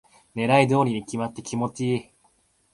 狙い通りに決まって気持ちいい